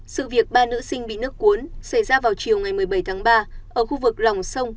sự việc ba nữ sinh bị nước cuốn xảy ra vào chiều ngày một mươi bảy tháng ba ở khu vực lòng sông